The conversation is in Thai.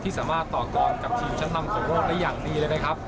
สามารถต่อกรกับทีมชั้นนำของโลกได้อย่างดีเลยนะครับ